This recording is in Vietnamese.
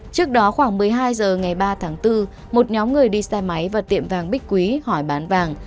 trước đó khoảng một mươi hai h ngày ba tháng bốn một nhóm người đi xe máy vào tiệm vàng bích quý hỏi bán vàng